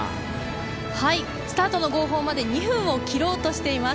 スタートの号砲まで２分を切ろうとしています。